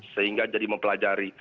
sehingga jadi mempelajari